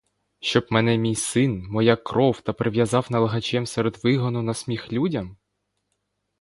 Щоб мене мій син, моя кров, та прив'язав налигачем серед вигону на сміх людям?